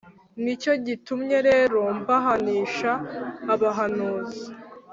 Ni cyo gitumye rero mbahanisha abahanuzi,